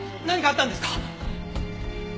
何かあったんですか！？